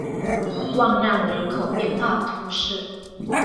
万让人口变化图示